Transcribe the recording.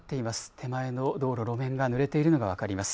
手前の道路、路面がぬれているのが分かります。